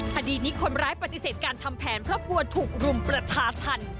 คดีนี้คนร้ายปฏิเสธการทำแผนเพราะกลัวถูกรุมประชาธรรม